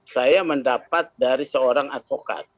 saya mendapat dari seorang advokat